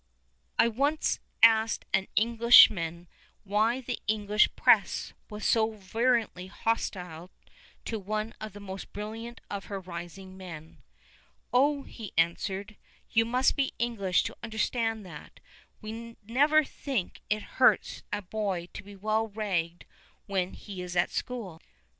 I once asked an Englishman why the English press was so virulently hostile to one of the most brilliant of her rising men. "Oh," he answered, "you must be English to understand that. We never think it hurts a boy to be well ragged when he 's at school."